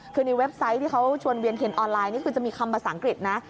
คือในเว็บไซต์ที่เขาชวนเวียนเทียนออนไลน์นี่คือจะมีคำภาษาอังกฤษนะ